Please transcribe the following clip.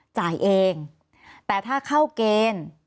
จ่ายเองแต่ถ้าเข้าเกณฑ์